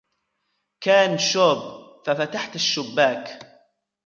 كان شوب ، ففتحت الشباك